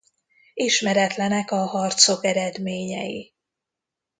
Ismeretlenek a harcok eredményei.